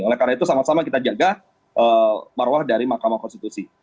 oleh karena itu sama sama kita jaga marwah dari mahkamah konstitusi